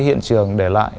hiện trường để lại